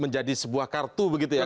menjadi sebuah kartu begitu ya